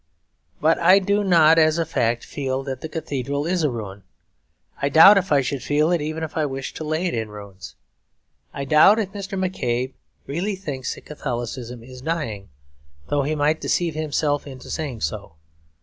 But I do not, as a fact, feel that the cathedral is a ruin; I doubt if I should feel it even if I wished to lay it in ruins. I doubt if Mr. M'Cabe really thinks that Catholicism is dying, though he might deceive himself into saying so.